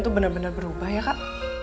udah berubah ya kak